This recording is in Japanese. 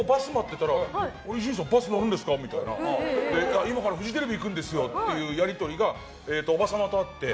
今からフジテレビ行くんですよっていうやり取りが、おば様とあって。